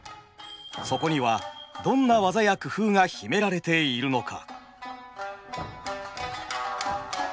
そこにはどんな技や工夫が秘められているのか。